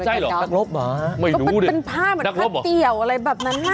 ใช่เหรอนักรบเหรอก็เป็นผ้าเหมือนผ้าเปี่ยวอะไรแบบนั้นน่ะ